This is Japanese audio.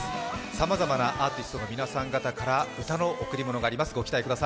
さまざまなアーティストの皆さんから歌の贈り物があります。